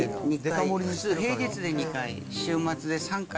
平日で２回、週末で３回。